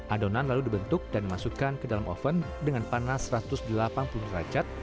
adonan lalu dibentuk dan dimasukkan ke dalam oven dengan panas satu ratus delapan puluh derajat